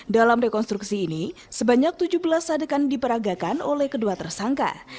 dalam rekonstruksi ini sebanyak tujuh belas adegan diperagakan oleh kedua tersangka